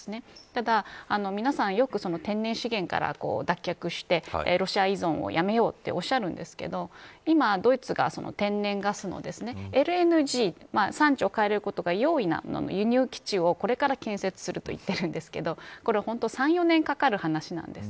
ただ皆さん、よく天然資源から脱却してロシア依存をやめようとおっしゃるんですが今、ドイツが天然ガスのＬＮＧ産地を変えることが容易な輸入基地をこれから建設すると言ってるんですがこれは３、４年かかる話なんです。